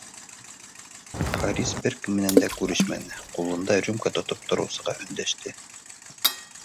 Харис бер кем менән күрешмәне, ҡулында рюмка тотоп тороусыға өндәште: